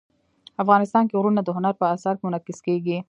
افغانستان کې غرونه د هنر په اثار کې منعکس کېږي.